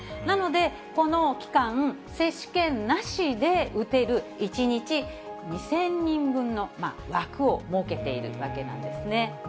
なので、この期間、接種券なしで打てる、１日２０００人分の枠を設けているわけなんですね。